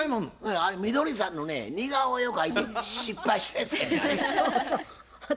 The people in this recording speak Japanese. あれみどりさんのね似顔絵を描いて失敗したやつやねんあれ。